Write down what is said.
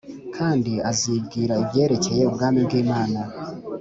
Kandi azibwira ibyerekeye ubwami bw imana